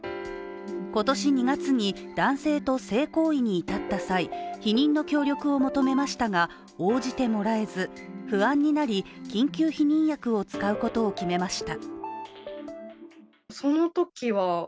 今年２月に男性と性行為に至った際避妊の協力を求めましたが応じてもらえず不安になり、緊急避妊薬を使うことを決めました。